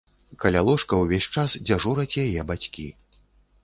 Каля ложка ўвесь час дзяжураць яе бацькі.